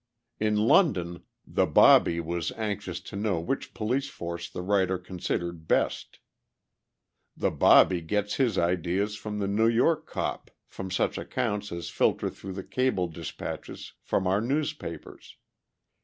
In London, the "bobby" was anxious to know which police force the writer considered best. The "bobby" gets his ideas of the New York "cop" from such accounts as filter through the cable dispatches from our newspapers.